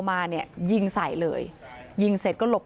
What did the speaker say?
ไม่ตั้งใจครับ